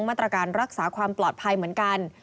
มาตรการรักษาความปลอดภัยเหมือนกัน